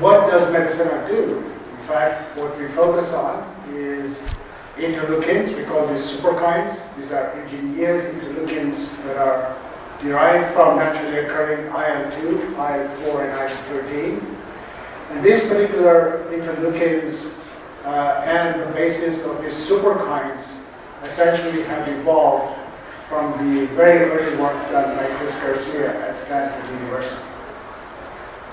What does Medicenna do? In fact, what we focus on is interleukins. We call these Superkines. These are engineered interleukins that are derived from naturally occurring IL-2, IL-4, and IL-13. These particular interleukins and the basis of these Superkines essentially have evolved from the very early work done by Chris Garcia at Stanford University.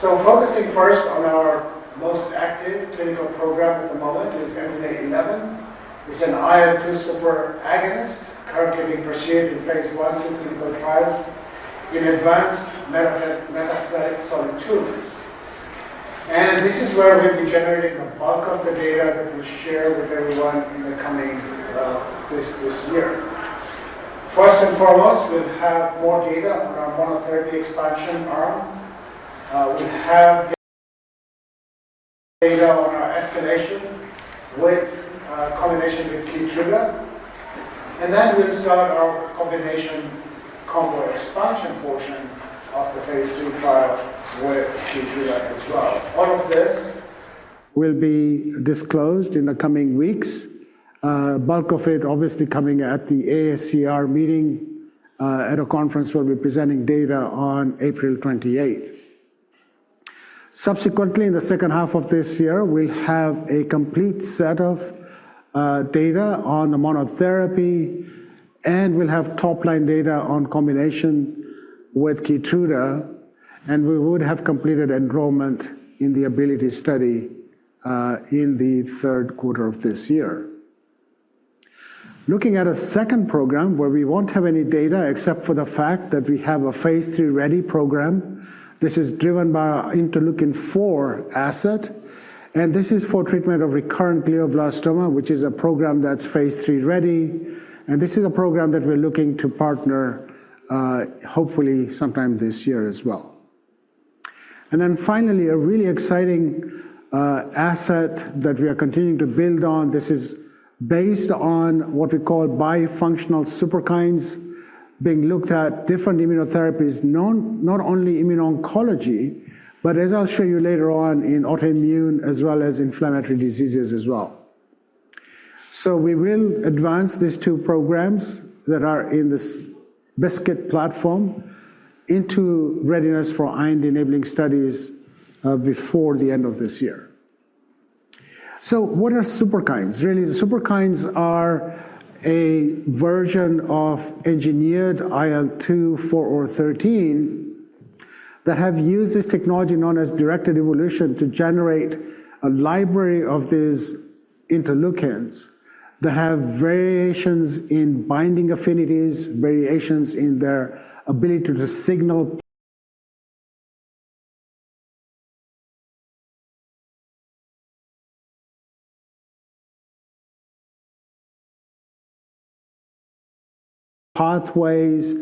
Focusing first on our most active clinical program at the moment is MDNA11. It's an IL-2 super agonist currently being pursued in phase I to clinical trials in advanced metastatic solid tumors. This is where we'll be generating the bulk of the data that we'll share with everyone in the coming this year. First and foremost, we'll have more data on our monotherapy expansion arm. We'll have data on our escalation with combination with KEYTRUDA. We will start our combination combo expansion portion of the phase II trial with KEYTRUDA as well. All of this will be disclosed in the coming weeks. Bulk of it, obviously, coming at the AACR meeting at a conference where we are presenting data on April 28th. Subsequently, in the second half of this year, we will have a complete set of data on the monotherapy, and we will have top-line data on combination with KEYTRUDA. We would have completed enrollment in the ability study in the third quarter of this year. Looking at a second program where we will not have any data except for the fact that we have a phase III ready program. This is driven by our interleukin-4 asset. This is for treatment of recurrent glioblastoma, which is a program that is phase III ready. This is a program that we're looking to partner, hopefully, sometime this year as well. Finally, a really exciting asset that we are continuing to build on. This is based on what we call bifunctional Superkines, being looked at in different immunotherapies, not only immuno-oncology, but, as I'll show you later on, in autoimmune as well as inflammatory diseases as well. We will advance these two programs that are in this BiSKITs platform into readiness for IND-enabling studies before the end of this year. What are Superkines? Really, the Superkines are a version of engineered IL-2, IL-4, or IL-13 that have used this technology known as directed evolution to generate a library of these interleukins that have variations in binding affinities, variations in their ability to signal pathways,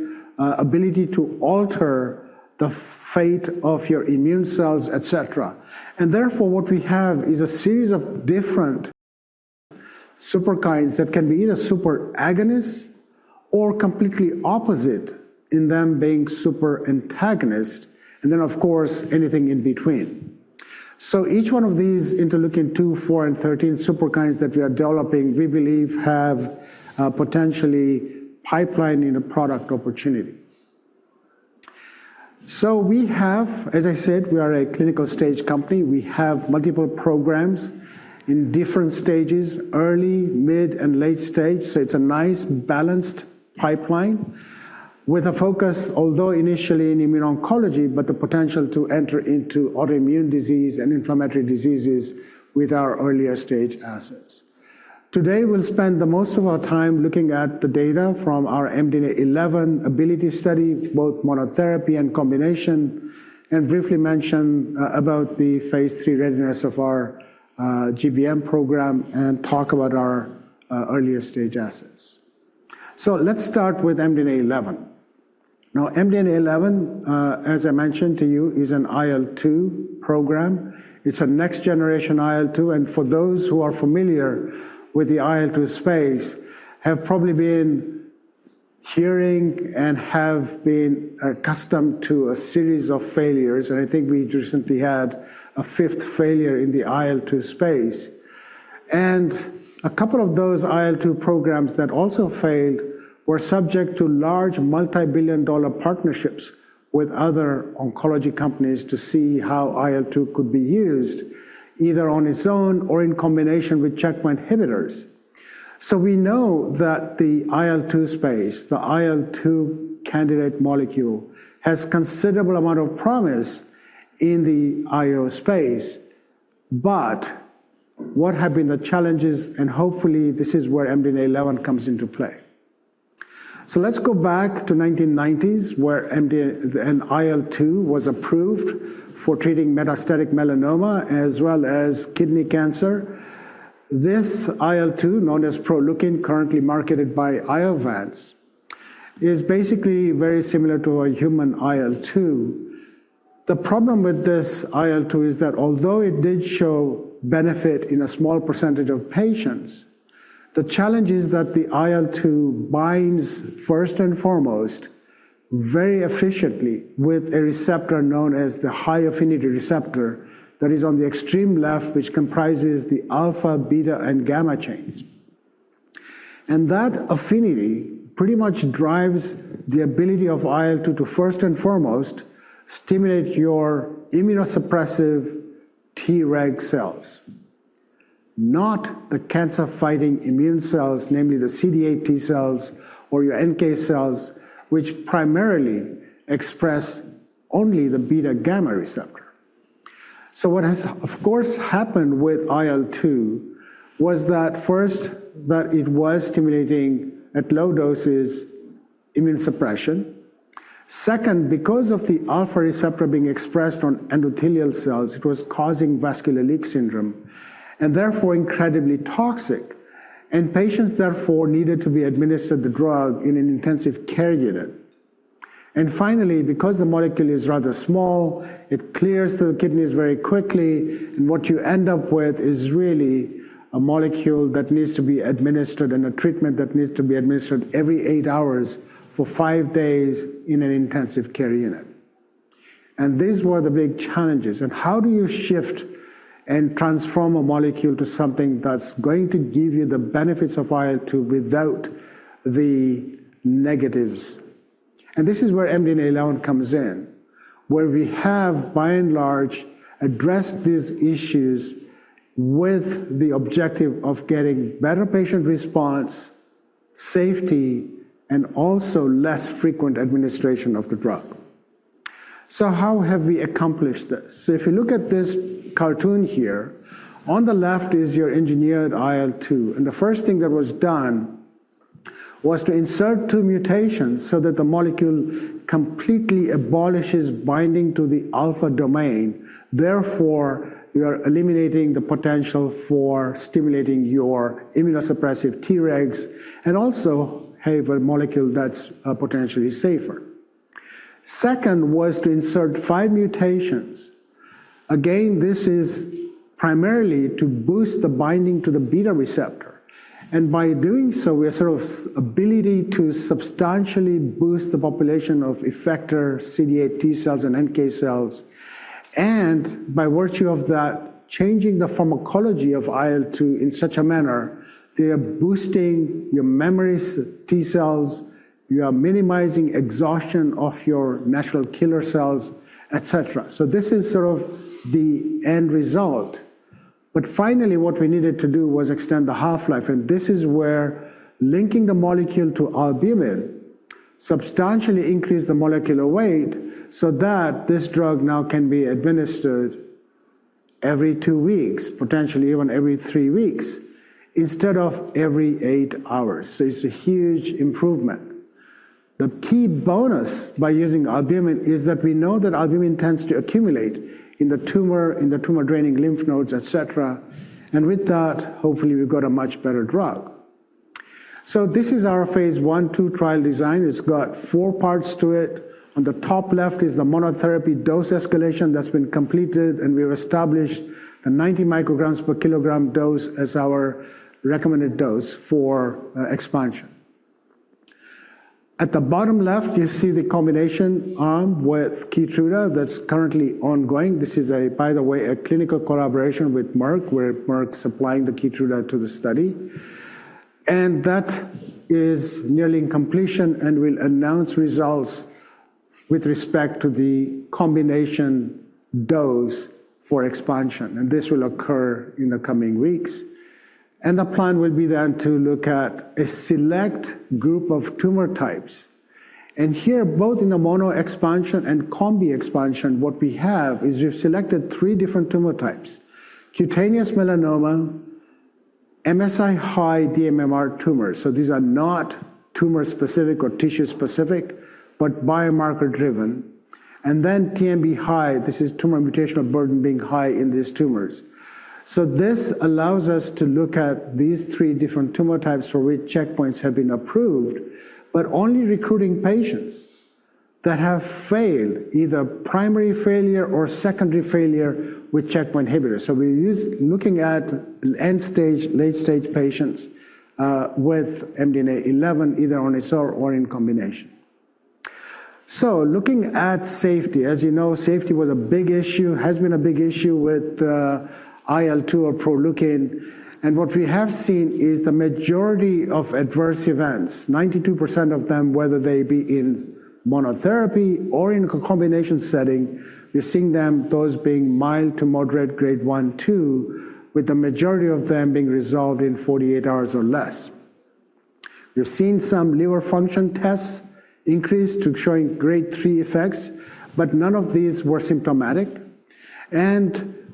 ability to alter the fate of your immune cells, et cetera. Therefore, what we have is a series of different Superkines that can be either super agonists or completely opposite in them being super antagonists, and then, of course, anything in between. Each one of these interleukin-2, interleukin-4, and interleuikin-13 Superkines that we are developing, we believe, have potentially pipeline in a product opportunity. As I said, we are a clinical stage company. We have multiple programs in different stages, early, mid, and late stage. It is a nice balanced pipeline with a focus, although initially in immuno-oncology, but the potential to enter into autoimmune disease and inflammatory diseases with our earlier stage assets. Today, we'll spend most of our time looking at the data from our MDNA11 ability study, both monotherapy and combination, and briefly mention the phase III readiness of our GBM program and talk about our earlier stage assets. Let's start with MDNA11. Now, MDNA11, as I mentioned to you, is an IL-2 program. It's a next-generation IL-2. For those who are familiar with the IL-2 space, have probably been hearing and have been accustomed to a series of failures. I think we recently had a fifth failure in the IL-2 space. A couple of those IL-2 programs that also failed were subject to large multi-billion dollar partnerships with other oncology companies to see how IL-2 could be used, either on its own or in combination with checkpoint inhibitors. We know that the IL-2 space, the IL-2 candidate molecule, has a considerable amount of promise in the IO space. What have been the challenges? Hopefully, this is where MDNA11 comes into play. Let's go back to the 1990s, where an IL-2 was approved for treating metastatic melanoma as well as kidney cancer. This IL-2, known as PROLEUKIN, currently marketed by Iovance, is basically very similar to a human IL-2. The problem with this IL-2 is that although it did show benefit in a small percentage of patients, the challenge is that the IL-2 binds, first and foremost, very efficiently with a receptor known as the high-affinity receptor that is on the extreme left, which comprises the alpha, beta, and gamma chains. That affinity pretty much drives the ability of IL-2 to, first and foremost, stimulate your immunosuppressive Treg cells, not the cancer-fighting immune cells, namely the CD8 T cells or your NK cells, which primarily express only the beta-gamma receptor. What has, of course, happened with IL-2 was that, first, it was stimulating at low doses immune suppression. Second, because of the alpha receptor being expressed on endothelial cells, it was causing vascular leak syndrome and therefore incredibly toxic. Patients, therefore, needed to be administered the drug in an intensive care unit. Finally, because the molecule is rather small, it clears the kidneys very quickly. What you end up with is really a molecule that needs to be administered and a treatment that needs to be administered every eight hours for five days in an intensive care unit. These were the big challenges. How do you shift and transform a molecule to something that's going to give you the benefits of IL-2 without the negatives? This is where MDNA11 comes in, where we have, by and large, addressed these issues with the objective of getting better patient response, safety, and also less frequent administration of the drug. How have we accomplished this? If you look at this cartoon here, on the left is your engineered IL-2. The first thing that was done was to insert two mutations so that the molecule completely abolishes binding to the alpha domain. Therefore, you are eliminating the potential for stimulating your immunosuppressive Tregs and also have a molecule that is potentially safer. Second was to insert five mutations. Again, this is primarily to boost the binding to the beta receptor. By doing so, we have sort of the ability to substantially boost the population of effector CD8 T cells and NK cells. By virtue of that, changing the pharmacology of IL-2 in such a manner, they are boosting your memory T cells. You are minimizing exhaustion of your natural killer cells, et cetera. This is sort of the end result. Finally, what we needed to do was extend the half-life. This is where linking the molecule to albumin substantially increased the molecular weight so that this drug now can be administered every two weeks, potentially even every three weeks, instead of every eight hours. It is a huge improvement. The key bonus by using albumin is that we know that albumin tends to accumulate in the tumor, in the tumor-draining lymph nodes, et cetera. With that, hopefully, we have got a much better drug. This is our phase I/II trial design. It has four parts to it. On the top left is the monotherapy dose escalation that has been completed. We have established the 90 µg/kg dose as our recommended dose for expansion. At the bottom left, you see the combination arm with KEYTRUDA that is currently ongoing. This is, by the way, a clinical collaboration with Merck, where Merck is supplying the KEYTRUDA to the study. That is nearly in completion. We'll announce results with respect to the combination dose for expansion. This will occur in the coming weeks. The plan will be then to look at a select group of tumor types. Here, both in the mono expansion and combi expansion, what we have is we've selected three different tumor types: cutaneous melanoma, MSI-high/dMMR tumors. These are not tumor-specific or tissue-specific, but biomarker-driven. Then TMB high. This is tumor mutational burden being high in these tumors. This allows us to look at these three different tumor types for which checkpoints have been approved, but only recruiting patients that have failed either primary failure or secondary failure with checkpoint inhibitors. We're looking at end-stage, late-stage patients with MDNA11, either on its own or in combination. Looking at safety, as you know, safety was a big issue, has been a big issue with IL-2 or PROLEUKIN. What we have seen is the majority of adverse events, 92% of them, whether they be in monotherapy or in a combination setting, you're seeing those being mild to moderate grade 1, grade 2, with the majority of them being resolved in 48 hours or less. We've seen some liver function tests increase to showing grade 3 effects, but none of these were symptomatic.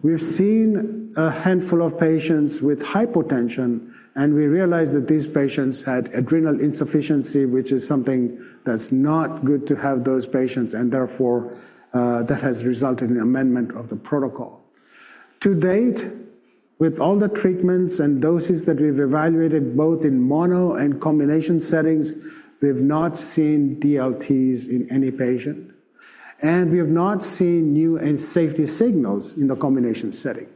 We've seen a handful of patients with hypotension. We realized that these patients had adrenal insufficiency, which is something that's not good to have those patients. Therefore, that has resulted in amendment of the protocol. To date, with all the treatments and doses that we've evaluated, both in mono and combination settings, we've not seen DLTs in any patient. We have not seen new safety signals in the combination setting.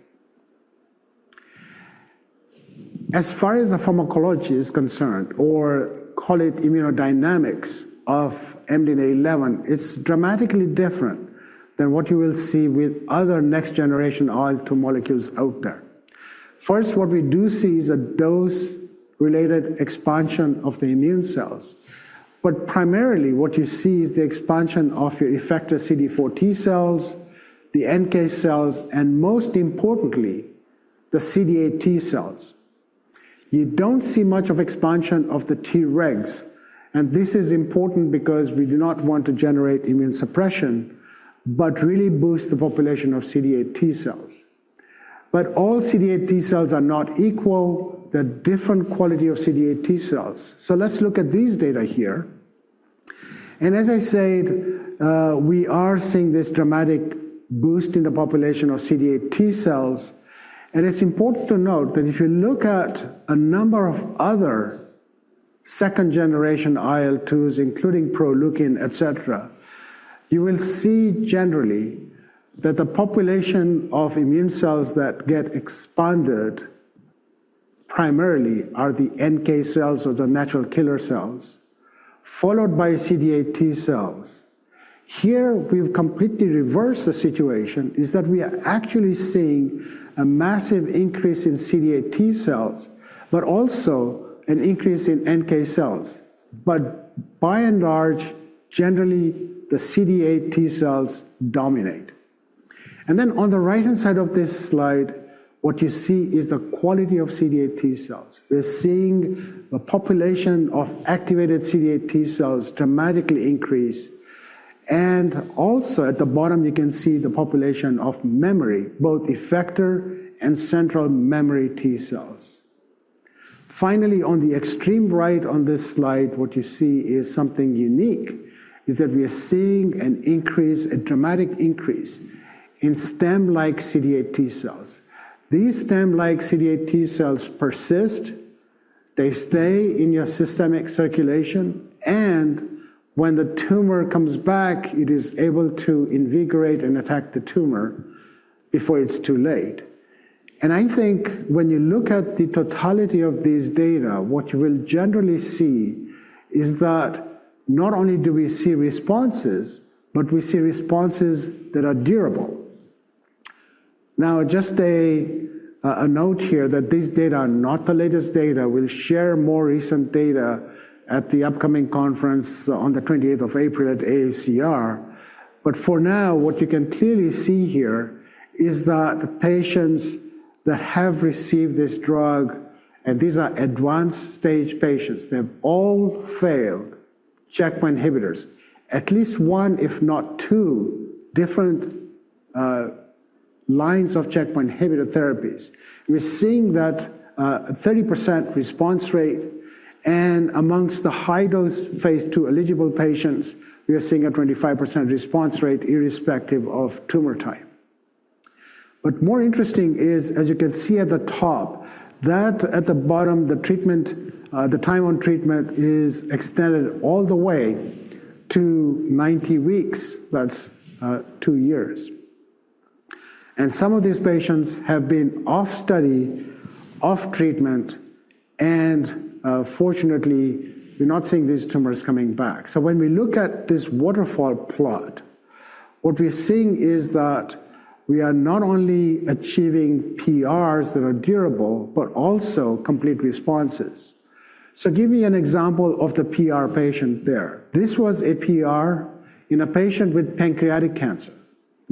As far as the pharmacology is concerned, or call it immunodynamics of MDNA11, it's dramatically different than what you will see with other next-generation IL-2 molecules out there. First, what we do see is a dose-related expansion of the immune cells. Primarily, what you see is the expansion of your effector CD4 T cells, the NK cells, and most importantly, the CD8 T cells. You don't see much of expansion of the Tregs. This is important because we do not want to generate immune suppression, but really boost the population of CD8 T cells. All CD8 T cells are not equal. They're different quality of CD8 T cells. Let's look at these data here. As I said, we are seeing this dramatic boost in the population of CD8 T cells. It's important to note that if you look at a number of other second-generation IL-2s, including PROLEUKIN, et cetera, you will see generally that the population of immune cells that get expanded primarily are the NK cells or the natural killer cells, followed by CD8 T cells. Here, we've completely reversed the situation in that we are actually seeing a massive increase in CD8 T cells, but also an increase in NK cells. By and large, generally, the CD8 T cells dominate. On the right-hand side of this slide, what you see is the quality of CD8 T cells. We're seeing the population of activated CD8 T cells dramatically increase. Also at the bottom, you can see the population of memory, both effector and central memory T cells. Finally, on the extreme right on this slide, what you see is something unique is that we are seeing an increase, a dramatic increase in stem-like CD8 T cells. These stem-like CD8 T cells persist. They stay in your systemic circulation. When the tumor comes back, it is able to invigorate and attack the tumor before it's too late. I think when you look at the totality of these data, what you will generally see is that not only do we see responses, but we see responses that are durable. Now, just a note here that these data are not the latest data. We'll share more recent data at the upcoming conference on the 28th of April at AACR. For now, what you can clearly see here is that patients that have received this drug, and these are advanced-stage patients, they've all failed checkpoint inhibitors, at least one, if not two, different lines of checkpoint inhibitor therapies. We're seeing that 30% response rate. Amongst the high-dose phase II eligible patients, we are seeing a 25% response rate irrespective of tumor type. More interesting is, as you can see at the top, that at the bottom, the time on treatment is extended all the way to 90 weeks. That's two years. Some of these patients have been off study, off treatment. Fortunately, we're not seeing these tumors coming back. When we look at this waterfall plot, what we're seeing is that we are not only achieving PRs that are durable, but also complete responses. Give me an example of the PR patient there. This was a PR in a patient with pancreatic cancer.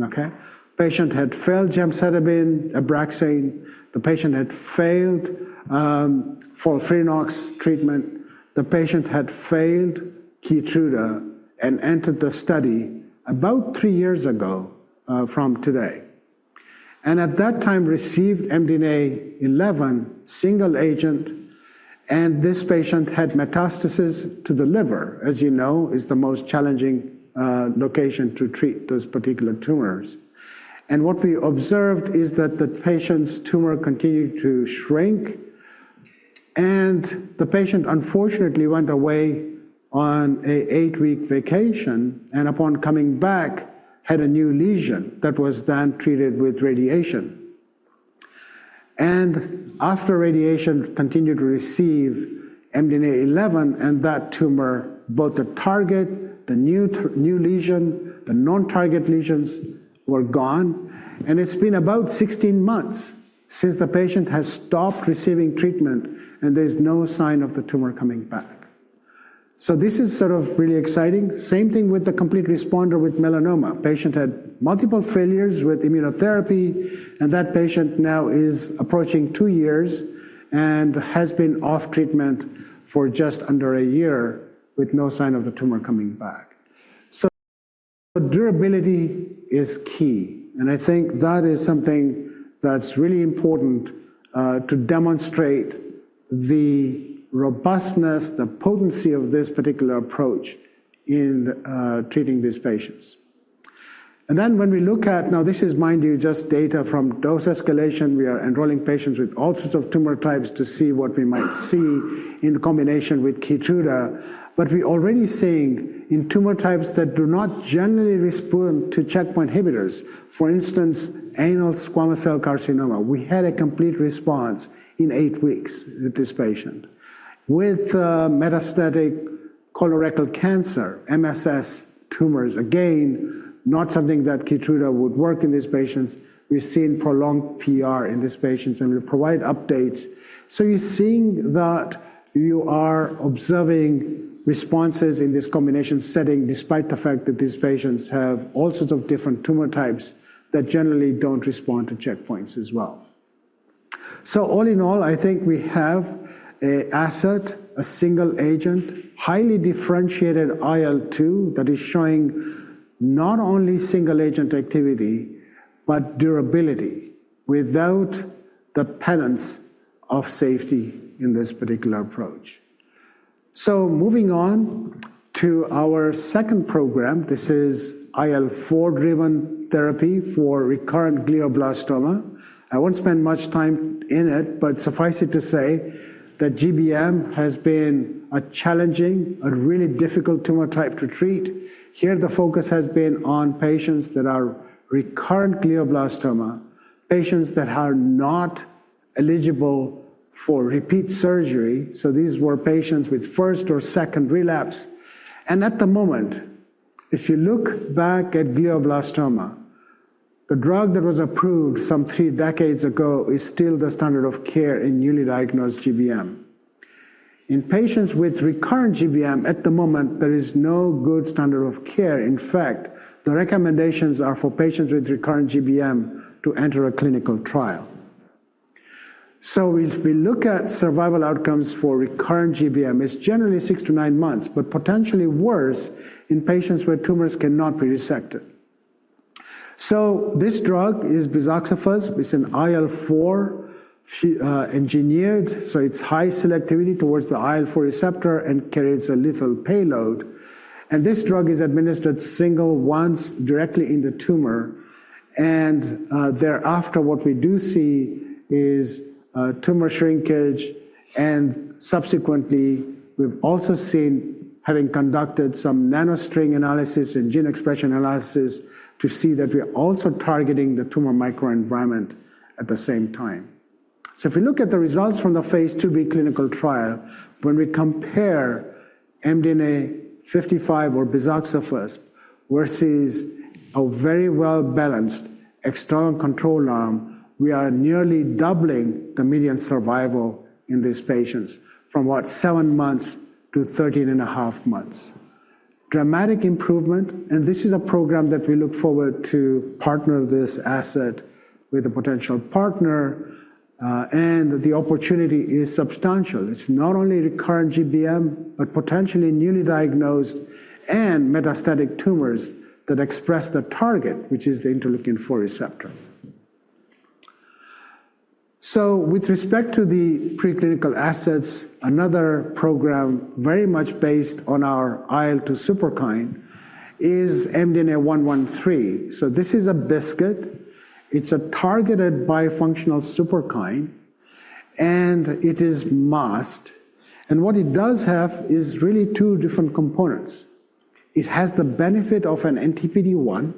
Okay? Patient had failed gemcitabine, Abraxane. The patient had failed FOLFIRINOX treatment. The patient had failed KEYTRUDA and entered the study about three years ago from today. At that time, received MDNA11 single agent. This patient had metastasis to the liver, as you know, is the most challenging location to treat those particular tumors. What we observed is that the patient's tumor continued to shrink. The patient, unfortunately, went away on an eight-week vacation. Upon coming back, had a new lesion that was then treated with radiation. After radiation, continued to receive MDNA11. That tumor, both the target, the new lesion, the non-target lesions were gone. It's been about 16 months since the patient has stopped receiving treatment. There is no sign of the tumor coming back. This is sort of really exciting. Same thing with the complete responder with melanoma. Patient had multiple failures with immunotherapy. That patient now is approaching two years and has been off treatment for just under a year with no sign of the tumor coming back. Durability is key. I think that is something that's really important to demonstrate the robustness, the potency of this particular approach in treating these patients. When we look at now, this is, mind you, just data from dose escalation. We are enrolling patients with all sorts of tumor types to see what we might see in combination with KEYTRUDA. We're already seeing in tumor types that do not generally respond to checkpoint inhibitors, for instance, anal squamous cell carcinoma, we had a complete response in eight weeks with this patient. With metastatic colorectal cancer, MSS tumors, again, not something that KEYTRUDA would work in these patients. We've seen prolonged PR in these patients. We'll provide updates. You're seeing that you are observing responses in this combination setting despite the fact that these patients have all sorts of different tumor types that generally don't respond to checkpoints as well. All in all, I think we have an asset, a single agent, highly differentiated IL-2 that is showing not only single agent activity, but durability without the penance of safety in this particular approach. Moving on to our second program, this is IL-4 driven therapy for recurrent glioblastoma. I won't spend much time in it, but suffice it to say that GBM has been a challenging, a really difficult tumor type to treat. Here, the focus has been on patients that are recurrent glioblastoma, patients that are not eligible for repeat surgery. These were patients with first or second relapse. At the moment, if you look back at glioblastoma, the drug that was approved some three decades ago is still the standard of care in newly diagnosed GBM. In patients with recurrent GBM, at the moment, there is no good standard of care. In fact, the recommendations are for patients with recurrent GBM to enter a clinical trial. If we look at survival outcomes for recurrent GBM, it's generally six to nine months, but potentially worse in patients where tumors cannot be resected. This drug is MDNA55. It's an IL-4 engineered. It is high selectivity towards the IL-4 receptor and carries a lethal payload. This drug is administered single once directly in the tumor. Thereafter, what we do see is tumor shrinkage. Subsequently, we have also seen, having conducted some nanostring analysis and gene expression analysis, that we are also targeting the tumor microenvironment at the same time. If we look at the results from the phase II-B clinical trial, when we compare MDNA55 or bizaxofusp versus a very well-balanced external control arm, we are nearly doubling the median survival in these patients from, what, seven months to 13.5 months. Dramatic improvement. This is a program that we look forward to partner this asset with a potential partner. The opportunity is substantial. It's not only recurrent GBM, but potentially newly diagnosed and metastatic tumors that express the target, which is the interleukin-4 receptor. With respect to the preclinical assets, another program very much based on our IL-2 Superkine is MDNA113. This is a BiSKIT. It's a targeted bifunctional Superkine, and it is masked. What it does have is really two different components. It has the benefit of an anti-PD1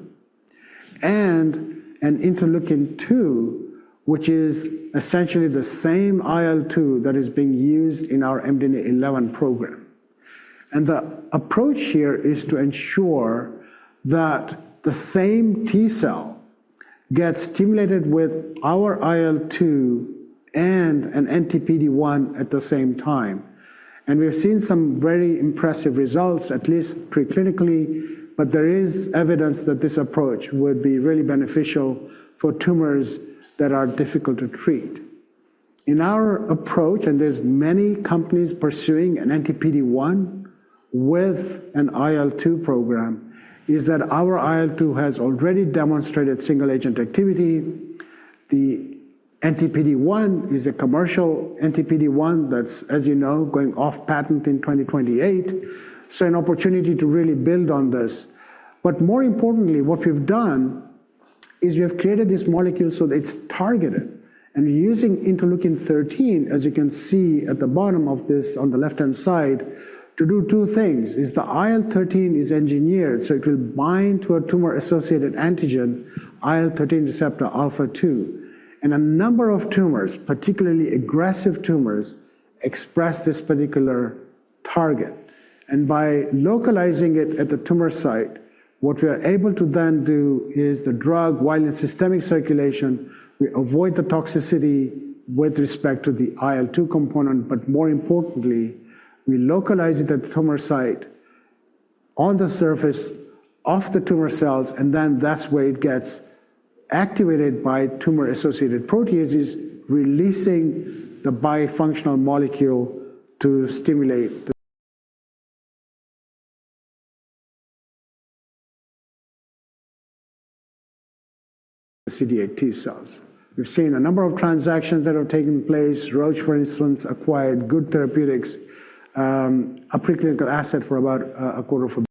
and an interleukin-2, which is essentially the same IL-2 that is being used in our MDNA11 program. The approach here is to ensure that the same T cell gets stimulated with our IL-2 and an anti-PD1 at the same time. We've seen some very impressive results, at least preclinically. There is evidence that this approach would be really beneficial for tumors that are difficult to treat. In our approach, and there are many companies pursuing an anti-PD1 with an IL-2 program, is that our IL-2 has already demonstrated single agent activity. The anti-PD1 is a commercial anti-PD1 that is, as you know, going off patent in 2028. An opportunity to really build on this. More importantly, what we have done is we have created this molecule so that it is targeted. We are using interleukin-13, as you can see at the bottom of this on the left-hand side, to do two things. The IL-13 is engineered so it will bind to a tumor-associated antigen, IL-13 receptor alpha 2. A number of tumors, particularly aggressive tumors, express this particular target. By localizing it at the tumor site, what we are able to then do is the drug, while in systemic circulation, we avoid the toxicity with respect to the IL-2 component. More importantly, we localize it at the tumor site on the surface of the tumor cells. That is where it gets activated by tumor-associated proteases, releasing the bifunctional molecule to stimulate the CD8 T cells. We have seen a number of transactions that have taken place. Roche, for instance, acquired Good Therapeutics, a preclinical asset for about $250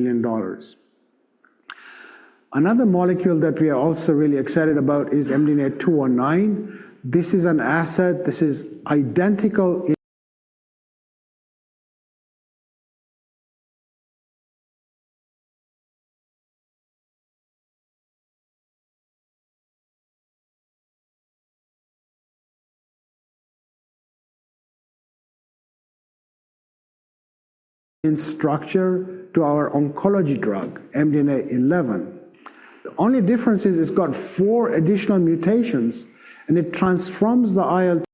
million. Another molecule that we are also really excited about is MDNA209. This is an asset. This is identical in structure to our oncology drug, MDNA11. The only difference is it has four additional mutations. It transforms the IL-2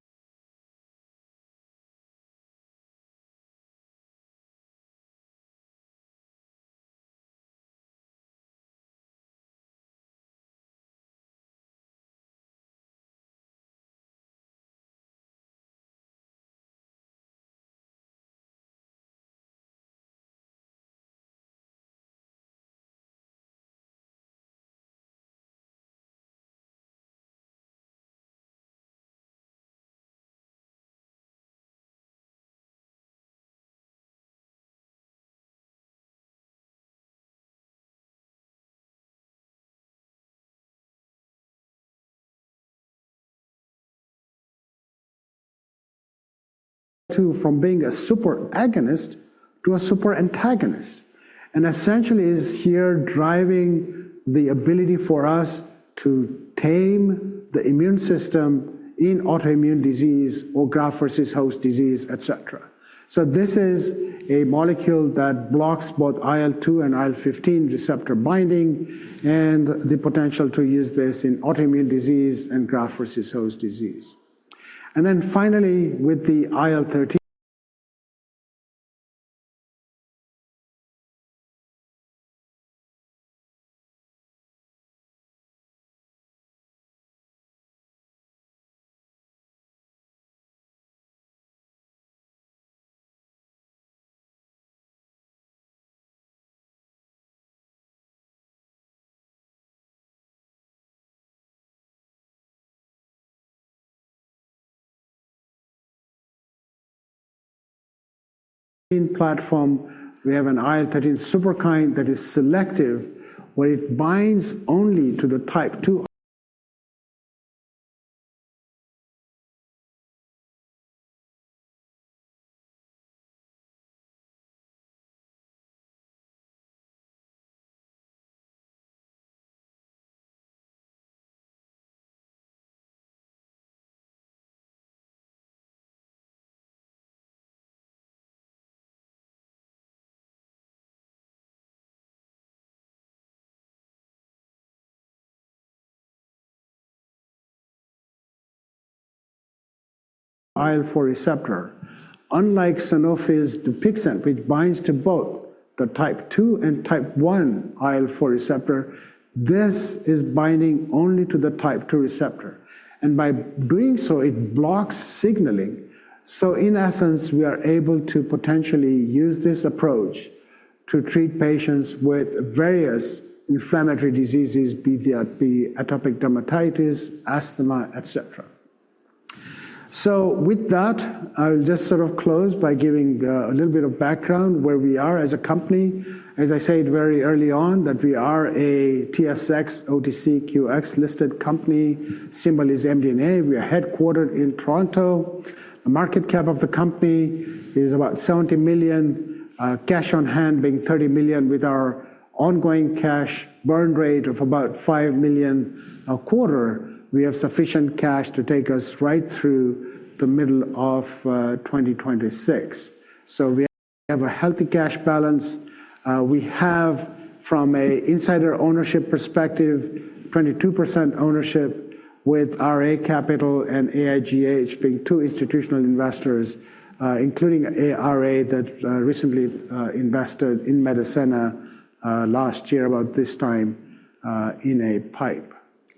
from being a super agonist to a super antagonist. Essentially, it is here driving the ability for us to tame the immune system in autoimmune disease or graft-versus-host disease, et cetera. This is a molecule that blocks both IL-2 and IL-15 receptor binding and the potential to use this in autoimmune disease and graft versus host disease. Finally, with the IL-13 platform, we have an IL-13 Superkine that is selective where it binds only to the type 2 IL-4 receptor. Unlike Sanofi's DUPIXENT, which binds to both the type II and type I IL-4 receptor, this is binding only to the type II receptor. By doing so, it blocks signaling. In essence, we are able to potentially use this approach to treat patients with various inflammatory diseases, be that atopic dermatitis, asthma, et cetera. With that, I will just sort of close by giving a little bit of background where we are as a company. As I said very early on, we are a TSX, OTCQX listed company. Symbol is MDNA. We are headquartered in Toronto. The market cap of the company is about $70 million. Cash on hand being $30 million. With our ongoing cash burn rate of about $5 million a quarter, we have sufficient cash to take us right through the middle of 2026. We have a healthy cash balance. We have, from an insider ownership perspective, 22% ownership with RA Capital and AIGH being two institutional investors, including RA that recently invested in Medicenna last year about this time in a pipe.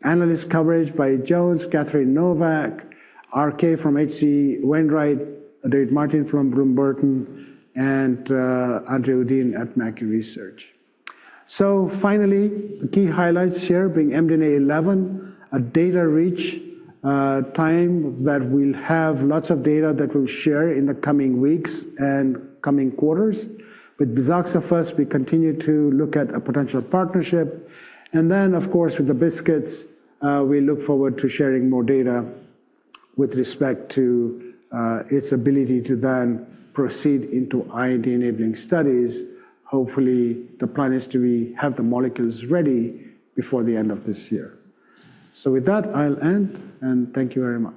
Analyst coverage by Jones, Katherine Novak, RK from HC Wainwright, David Martin from Bloomberg, and Andrew Dean at McKee Research. Finally, the key highlights here being MDNA11, a data reach time that we'll have lots of data that we'll share in the coming weeks and coming quarters. With bizaxofusp, we continue to look at a potential partnership. Of course, with the BiSKITs, we look forward to sharing more data with respect to its ability to then proceed into IND enabling studies. Hopefully, the plan is to have the molecules ready before the end of this year. With that, I'll end. Thank you very much.